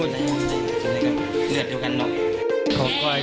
ในการเลือกอยู่กันหรอก